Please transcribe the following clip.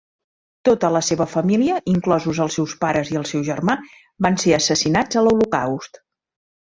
Tota la seva família, inclosos els seus pares i el seu germà, van ser assassinats a l'Holocaust.